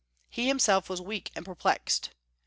He himself was weak and perplexed.